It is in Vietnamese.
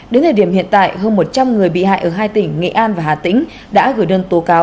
đến thời điểm hiện tại hơn một trăm linh người bị hại ở hai tỉnh nghệ an và hà tĩnh đã gửi đơn tố cáo